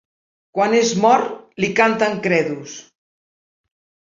Quan és mort li canten credos.